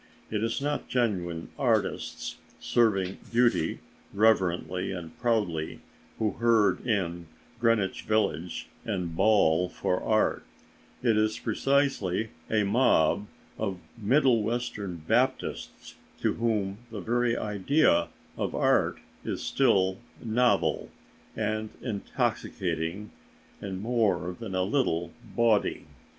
It is not genuine artists, serving beauty reverently and proudly, who herd in Greenwich Village and bawl for art; it is precisely a mob of Middle Western Baptists to whom the very idea of art is still novel, and intoxicating, and more than a little bawdy.